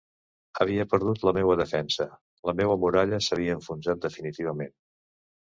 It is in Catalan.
Havia perdut la meua defensa, la meua muralla s'havia enfonsat definitivament.